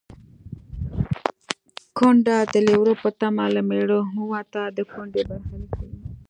کونډه د لېوره په تمه له مېړه ووته د کونډې برخلیک ښيي